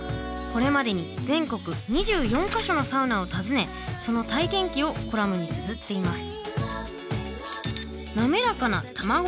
これまでに全国２４か所のサウナを訪ねその体験記をコラムにつづっています。